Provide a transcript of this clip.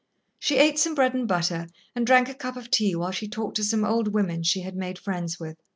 She ate some bread and butter and drank a cup of tea while she talked to some old women she had made friends with.